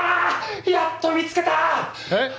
やっと見つけた！え？